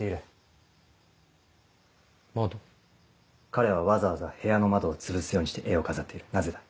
彼はわざわざ部屋の窓をつぶすようにして絵を飾っているなぜだ？